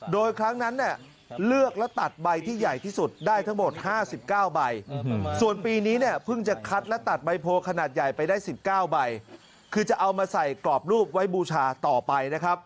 โดยครั้งนั้นเลือกแล้วตัดใบที่ใหญ่ที่สุดได้ทั้งหมด๕๙ใบ